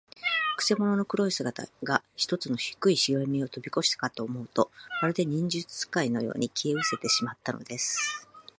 くせ者の黒い姿が、ひとつの低いしげみをとびこしたかと思うと、まるで、忍術使いのように、消えうせてしまったのです。